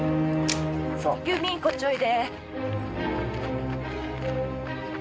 裕美こっちおいで。